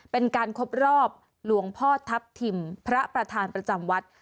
เป็นการครบรอบหลวงพ่อทัพทิมพระประธานประจำวัด